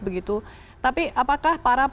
begitu tapi apakah para